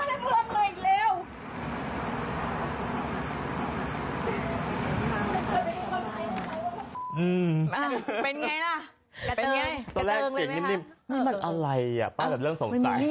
เป็นไงล่ะเป็นไงตอนแรกเสียงนิ่มมันอะไรอ่ะป้าแบบเริ่มสงสัย